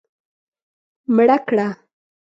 مړه کړه